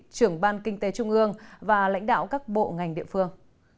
trưởng ban kinh tế trung ương và lãnh đạo các bộ ngành địa phương